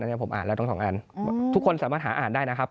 อันนี้ผมอ่านแล้วทั้งสองอันทุกคนสามารถหาอ่านได้นะครับ